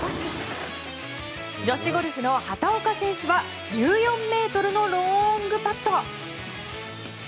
女子ゴルフの畑岡選手は１４ｍのロングパット。